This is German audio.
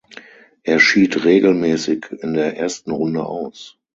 Er schied regelmäßig in der ersten Runde aus.